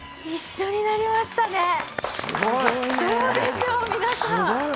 一緒になりましたね